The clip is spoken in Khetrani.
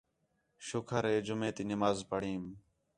شُکر ہِے جُمعہ تی نماز پڑھئیم